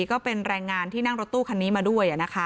ก็เป็นแรงงานที่นั่งรถตู้คันนี้มาด้วย